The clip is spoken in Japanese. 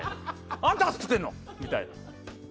「あんたが作ってんの！」みたいな。